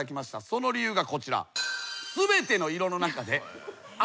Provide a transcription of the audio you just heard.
その理由がこちら。